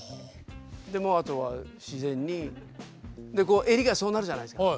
でもあとは自然に襟がそうなるじゃないですか。